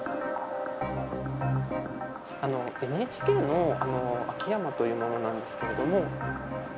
ＮＨＫの秋山という者なんですけれども。